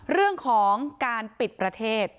เรื่องของการปิดประเทศ